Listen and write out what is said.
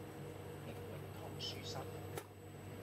力榮堂書室